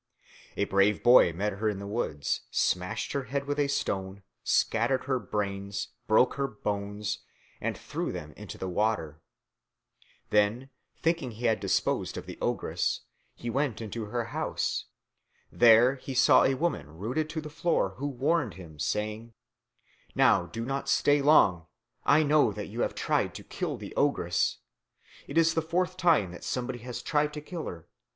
A brave boy met her in the woods, smashed her head with a stone, scattered her brains, broke her bones, and threw them into the water. Then, thinking he had disposed of the ogress, he went into her house. There he saw a woman rooted to the floor, who warned him, saying, "Now do not stay long. I know that you have tried to kill the ogress. It is the fourth time that somebody has tried to kill her.